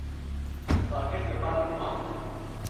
Pakêt li ba min ma.